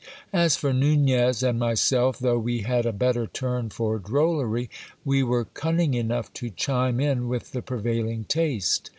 As for Nunez and myself, though we had a better turn for drollery, we were cunning enough to chime in with the prevail ing taste.